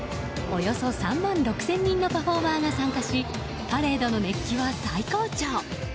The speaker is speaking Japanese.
およそ３万６０００人のパフォーマーが参加しパレードの熱気は最高潮。